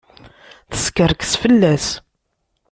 Teskerkes fell-as.